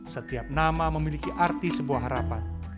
setiap nama memiliki arti sebuah harapan